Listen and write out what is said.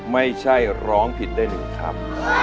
ไม่ใช่ร้องผิดได้หนึ่งครับ